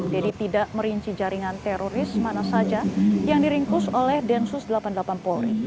deddy tidak merinci jaringan teroris mana saja yang diringkus oleh densus delapan puluh delapan polri